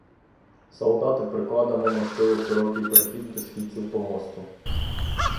Солдати прикладами мостили широкий перехід до східців помосту.